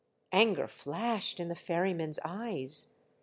Anger flashed in the ferryman's eyes.